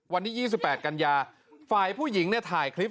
วันที่๒๘กันยาฝ่ายผู้หญิงเนี่ยถ่ายคลิป